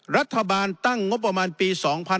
รัฐบาลตั้งงบประมาณปี๒๕๕๙